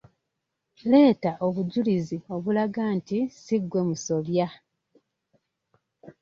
Leeta obujulizi obulaga nti si gwe musobya.